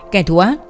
kẻ thù ác